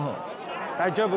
大丈夫。